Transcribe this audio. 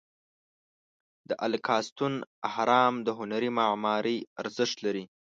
د الکاستون اهرام د هنري معمارۍ ارزښت لري.